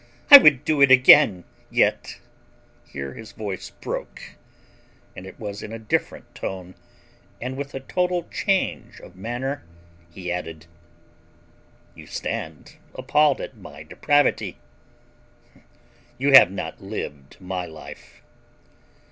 I would do it again, yet—" Here his voice broke and it was in a different tone and with a total change of manner he added: "You stand appalled at my depravity. You have not lived my life."